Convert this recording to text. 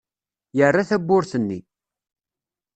Yerra tawwurt-nni.